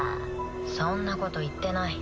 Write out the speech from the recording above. そんなこと言ってない。